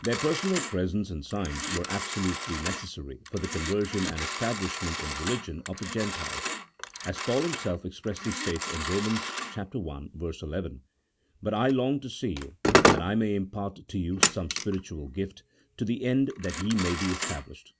Their personal presence and signs were absolutely necessary for the conversion and establishment in religion of the Gentiles ; as Paul himself expressly states in Eom. i. 11, " But I long to see you, that I may impart to you some spiritual gift, to the end that ye may be established."